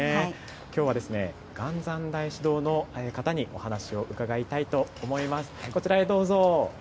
今日は元三大師堂の方にお話を伺いたいと思います。